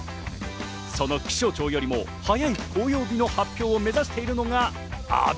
その気象庁よりも早い紅葉日の発表を目指しているのが、阿部。